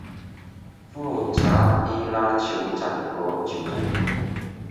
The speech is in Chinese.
富查伊拉酋长国酋长